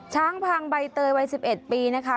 ช้างพังใบเตยวัย๑๑ปีนะคะ